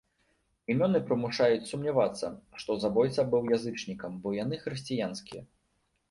Імёны прымушаюць сумнявацца, што забойца быў язычнікам, бо яны хрысціянскія.